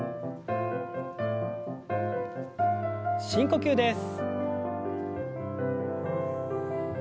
深呼吸です。